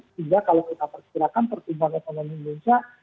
sehingga kalau kita perkirakan pertumbuhan ekonomi indonesia